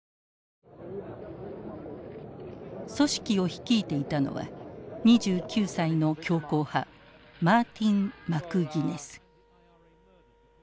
組織を率いていたのは２９歳の強硬派マーティン・マクギネス。